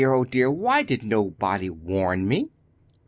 oh, dear! why did nobody warn me?